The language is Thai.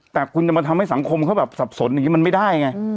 แต่คุณจะมาทำให้สังคมเขาแบบสับสนอย่างนี้มันไม่ได้ไง